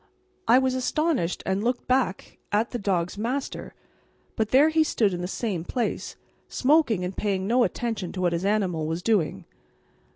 I was astonished and looked back at the dog's master; but there he stood in the same place, smoking and paying no attention to what his animal was doing.